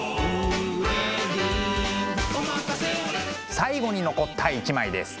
最後に残った一枚です。